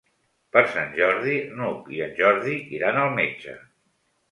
Per Sant Jordi n'Hug i en Jordi iran al metge.